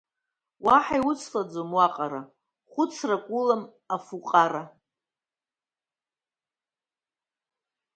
Уаҳа иуцлаӡом уаҟра, хәыцрак улам, афуҟра.